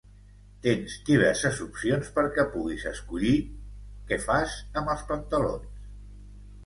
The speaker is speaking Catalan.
tens diverses opcions perquè puguis escollir què fas amb els pantalons